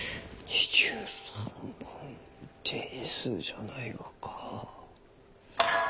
２３本定数じゃないがか。